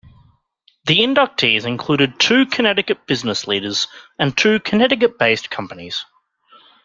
The inductees included two Connecticut business leaders and two Connecticut-based companies.